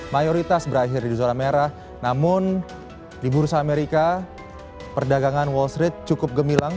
mayoritas berakhir di zona merah namun di bursa amerika perdagangan wall street cukup gemilang